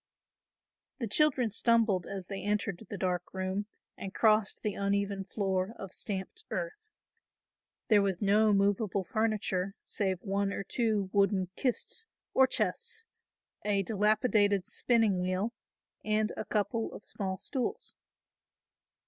The children stumbled as they entered the dark room and crossed the uneven floor of stamped earth. There was no movable furniture save one or two wooden kists or chests, a dilapidated spinning wheel and a couple of small stools.